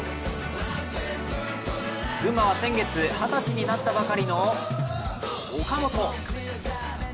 群馬は先月、二十歳になったばかりの岡本。